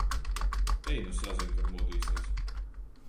Ej nu sazin, kad modīsies.